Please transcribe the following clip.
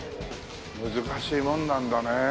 難しいもんなんだねえ。